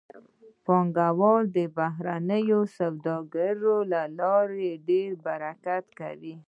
پانګوال د بهرنۍ سوداګرۍ له لارې ډېره ګټه کوي